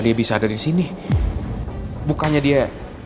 dia bisa ada di sini bukannya dia